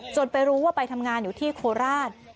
ไปรู้ว่าไปทำงานอยู่ที่โคราช